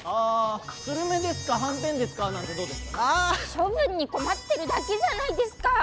処分に困ってるだけじゃないですか！